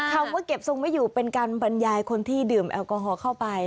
คำว่าเก็บทรงไม่อยู่เป็นการบรรยายคนที่ดื่มแอลกอฮอล์เข้าไป